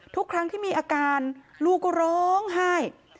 ทุกครั้งที่มีอาการลูกก็ร้องไห้